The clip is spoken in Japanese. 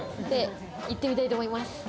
行ってみたいと思います。